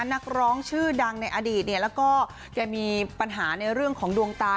นักร้องชื่อดังในอดีตเนี่ยแล้วก็แกมีปัญหาในเรื่องของดวงตา